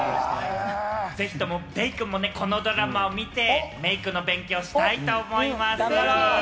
デイくんもこのドラマを見て、メイクの勉強したいと思います。